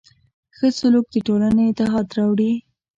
ښه سلوک د ټولنې اتحاد راوړي.